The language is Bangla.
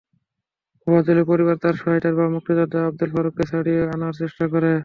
মোফাজ্জলের পরিবার তাঁর সহায়তায় বাবা মুক্তিযোদ্ধা আবদুল ফারুককে ছাড়িয়ে আনার চেষ্টা করে।